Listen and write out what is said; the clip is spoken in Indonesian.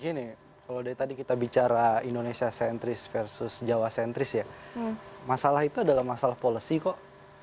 gini kalau dari tadi kita bicara indonesia sentris versus jawa sentris ya masalah itu adalah masalah policy kok